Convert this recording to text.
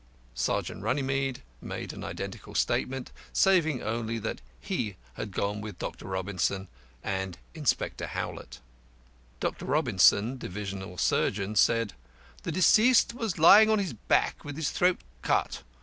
Sergeant RUNNYMEDE made an identical statement, saving only that he had gone with Dr. Robinson and Inspector Howlett. Dr. ROBINSON, divisional surgeon, said: "The deceased was lying on his back, with his throat cut.